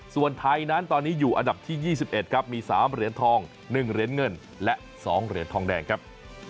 ส่วนไทยนั้นตอนนี้อยู่อันดับที่๒๑ครับมี๓เหรียญทอง๑เหรียญเงินและ๒เหรียญทองแดงครับ